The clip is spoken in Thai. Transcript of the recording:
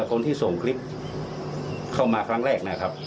คนที่ส่งคลิปเข้ามาครั้งแรกนะครับ